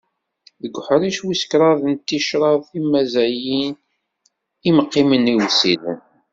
Deg uḥric wis kraḍ d ticraḍ timazzayin: imqimen iwsilen.